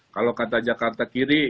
kalau kata jakarta kiri